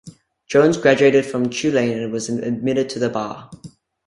Jones graduated from Tulane and was admitted to the bar.